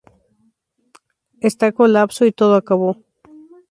Esta colapso y todo acabo.